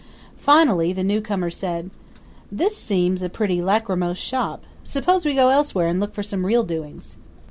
Finally the newcomer said: "This seems a pretty lachrymose shop. Suppose we go elsewhere and look for some real doings."